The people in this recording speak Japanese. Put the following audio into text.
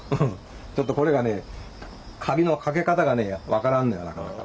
ちょっとこれがねカギのかけ方がね分からんのよなかなか。